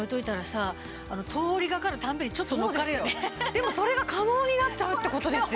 でもそれが可能になっちゃうってことですよ。